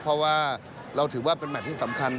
เพราะว่าเราถือว่าเป็นแมทที่สำคัญ